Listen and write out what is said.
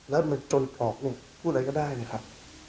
แล้วมาจนตรอกพูดอะไรก็ได้นะครับ